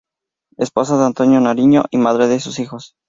Esposa de Antonio Nariño y madre de sus hijos.